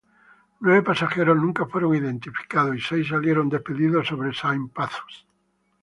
Nueve pasajeros nunca fueron identificados y seis salieron despedidos sobre Saint-Pathus.